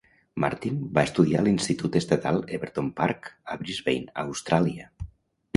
Martin va estudiar a l'institut estatal Everton Park a Brisbane, Austràlia.